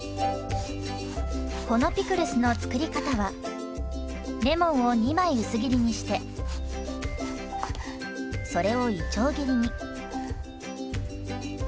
このピクルスの作り方はレモンを２枚薄切りにしてそれをいちょう切りに。